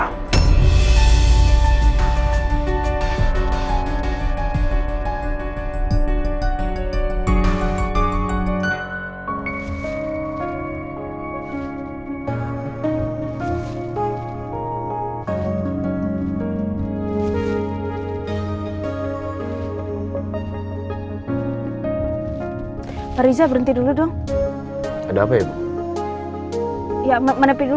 hej itu kita berdua apaaming